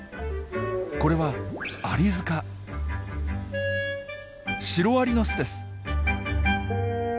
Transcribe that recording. これはシロアリの巣です。